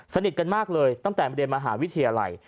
สนิทกันมากเลยตั้งแต่เรียนมหาวิทยาลัย